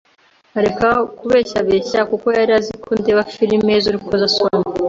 nkareka kubeshyabeshya kuko yari aziko ndeba filime z’urukozasoni